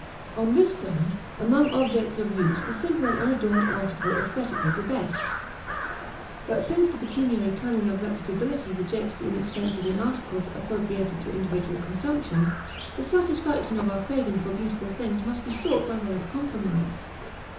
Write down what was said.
On this ground, among objects of use the simple and unadorned article is aesthetically the best. But since the pecuniary canon of reputability rejects the inexpensive in articles appropriated to individual consumption, the satisfaction of our craving for beautiful things must be sought by way of compromise.